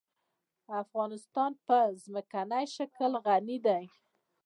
افغانستان په ځمکنی شکل غني دی.